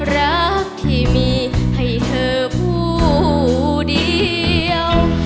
รักที่มีให้เธอผู้เดียว